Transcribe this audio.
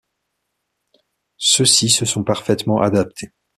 Ceux-ci se sont parfaitement adaptés.